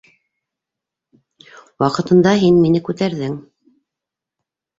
Ваҡытында һин мине күтәрҙең.